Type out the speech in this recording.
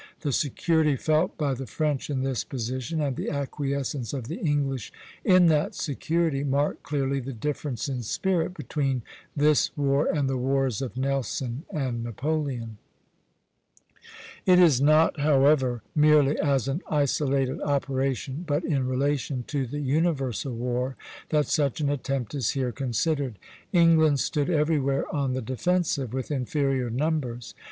The security felt by the French in this position, and the acquiescence of the English in that security, mark clearly the difference in spirit between this war and the wars of Nelson and Napoleon. It is not, however, merely as an isolated operation, but in relation to the universal war, that such an attempt is here considered. England stood everywhere on the defensive, with inferior numbers.